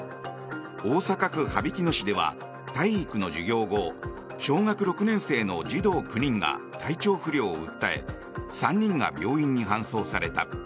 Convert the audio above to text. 大阪府羽曳野市では体育の授業後小学６年生の児童９人が体調不良を訴え３人が病院に搬送された。